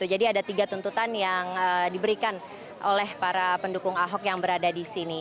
jadi ada tiga tuntutan yang diberikan oleh para pendukung ahok yang berada di sini